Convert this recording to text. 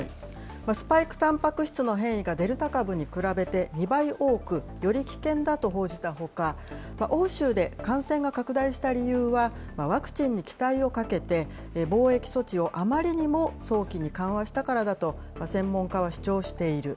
スパイクたんぱく質の変異がデルタ株に比べて２倍多く、より危険だと報じたほか、欧州で感染が拡大した理由は、ワクチンに期待をかけて、防疫措置をあまりにも早期に緩和したからだと、専門家は主張している。